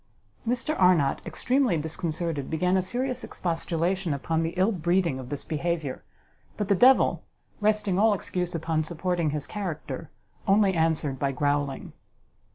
Mr Arnott, extremely disconcerted, began a serious expostulation upon the ill breeding of this behaviour; but the devil, resting all excuse upon supporting his character, only answered by growling.